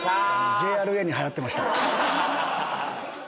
ＪＲＡに払ってました。